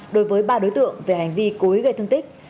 đối với ba đối tượng về hành vi cối gây thương tích